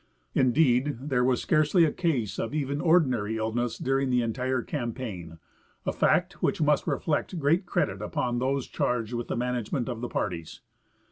Indeed, there was scarcely a case of even ordinary illness during the entire campaign, a fact wdiich must reflect great credit upon those charged with the management of the parties.